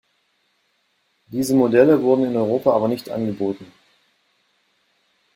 Diese Modelle wurden in Europa aber nicht angeboten.